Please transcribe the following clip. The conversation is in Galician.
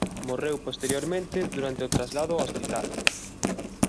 Morreu posteriormente durante o traslado ao hospital.